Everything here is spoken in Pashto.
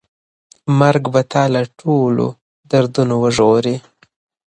مرګ به تا له ټولو دردونو وژغوري.